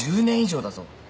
１０年以上だぞ。